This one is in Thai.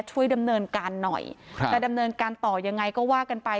ช่วยดำเนินการหน่อยจะดำเนินการต่อยังไงก็ว่ากันไป